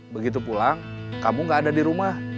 begitu pulang kamu gak ada di rumah